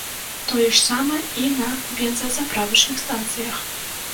Тое ж самае і на бензазаправачных станцыях.